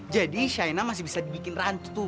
jadi shaina masih bisa dibikin rantu tuh